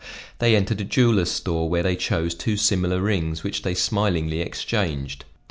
They entered a jeweler's store where they chose two similar rings which they smilingly exchanged.